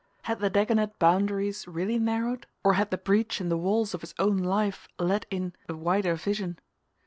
Had the Dagonet boundaries really narrowed, or had the breach in the walls of his own life let in a wider vision?